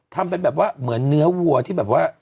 ทำเป็นแบบว่าเหมือนเนื้อวัวที่แบบว่า